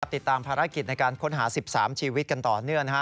ติดตามภารกิจในการค้นหา๑๓ชีวิตกันต่อเนื่อง